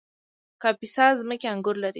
د کاپیسا ځمکې انګور لري